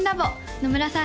野村さん